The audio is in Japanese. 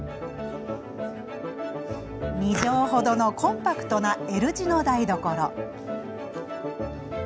二畳程のコンパクトなＬ字の台所。